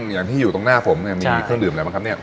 อย่างที่อยู่ตรงหน้าผมเนี่ยมีเครื่องดื่มอะไรบ้างครับเนี่ย